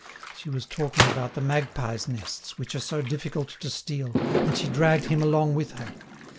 She was talking about the magpies' nests, which are so difficult to steal, and she dragged him along with her.